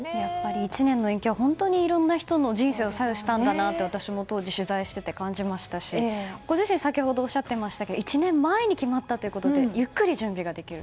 １年の延期は本当にいろいろな人の人生を左右したんだと私も当時、取材していて感じましたし、ご自身もおっしゃっていましたが１年前に決まったことでゆっくり準備ができる。